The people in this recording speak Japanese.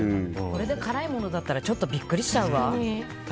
これで辛いものだったらちょっとビックリしちゃうわ。